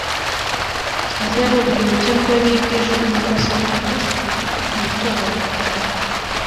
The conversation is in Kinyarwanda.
keza yabonye uruhushya rwabiga ejo, nuko asohokana na se witoza gutwara